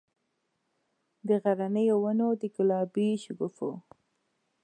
د غرنیو ونو، د ګلابي شګوفو،